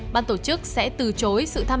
ban tổ chức sẽ từ chối sự tham dự